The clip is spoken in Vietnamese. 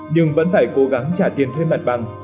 nhưng vẫn phải cố gắng trả tiền thuê mặt bằng